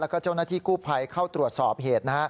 แล้วก็เจ้าหน้าที่กู้ภัยเข้าตรวจสอบเหตุ